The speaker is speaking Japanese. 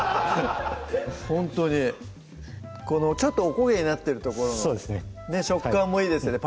ほんとにちょっとおこげになってる所の食感もいいですね